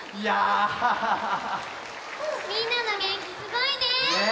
みんなのげんきすごいね！ね